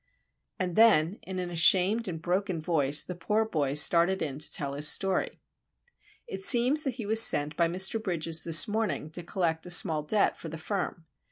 And then, in an ashamed and broken voice, the poor boy started in to tell his story. It seems that he was sent by Mr. Bridges this morning to collect a small debt for the firm.